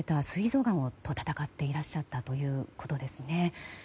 すい臓がんと闘っていらっしゃったということですね。